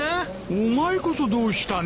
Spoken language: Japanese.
お前こそどうしたんだ？